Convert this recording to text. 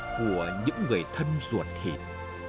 của những người thân ruột thịt